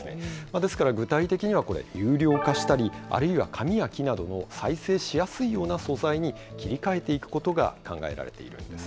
ですから、具体的にはこれ、有料化したり、あるいは紙や木などの再生しやすいような素材に切り替えていくことが考えられているんです。